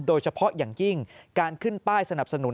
โดยเฉพาะอย่างยิ่งการขึ้นป้ายสนับสนุน